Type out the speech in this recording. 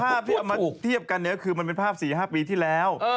ภาพที่เอามาเทียบกันเนี่ยคือมันเป็นภาพ๔๕ปีที่แล้ว